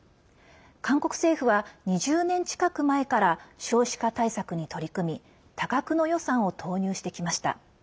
韓国政府は２０年近く前から少子化対策に取り組み多額の予算を投入してきました。